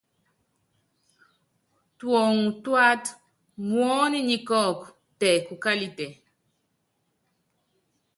Tuɔŋu túata, muɔ́nu nyi kɔ́ɔkun tɛ kukalitɛ.